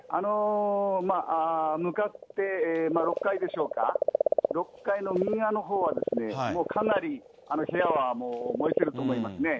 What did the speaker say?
向かって６階でしょうか、６階の右側のほうはもうかなり部屋は燃えてると思いますね。